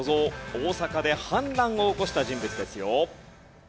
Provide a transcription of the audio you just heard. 大坂で反乱を起こした人物ですよ。